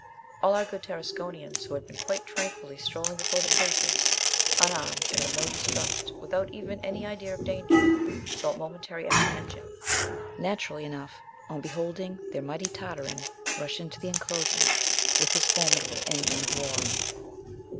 All our good Tarasconians, who had been quite tranquilly strolling before the cages, unarmed and with no distrust, without even any idea of danger, felt momentary apprehension, naturally enough, on beholding their mighty Tartarin rush into the enclosure with his formidable engine of war.